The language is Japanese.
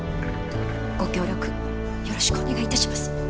ご協力よろしくお願いいたします。